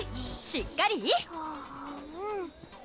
しっかり！